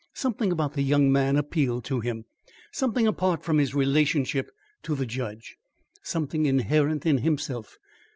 Something about the young man appealed to him something apart from his relationship to the judge something inherent in himself.